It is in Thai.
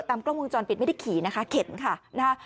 กล้องวงจรปิดไม่ได้ขี่นะคะเข็นค่ะนะฮะ